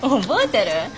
覚えてる？